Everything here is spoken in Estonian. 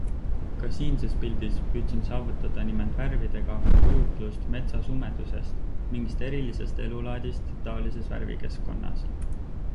Ka siinses pildis püüdsin saavutada nimelt värvidega kujutlust metsa sumedusest, mingist erilisest elulaadist taolises värvikeskkonnas.